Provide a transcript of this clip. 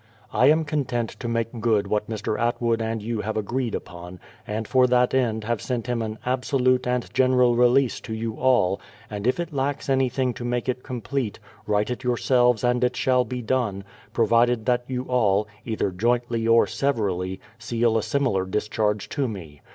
I am content to make good what Mr. Atwood and you have agreed upon, and for that end have sent him an absolute and general release to you all, and if it lacks anything to make it complete, write it j^our selves and it shall be done, provided that you all, either jointly or severally, seal a similar discharge to me.